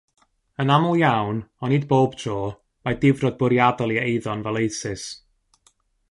Yn aml iawn, ond nid bob tro, mae difrod bwriadol i eiddo yn faleisus.